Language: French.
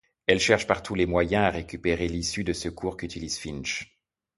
Elle cherche par tous les moyens à récupérer l'issue de secours qu'utilise Finch.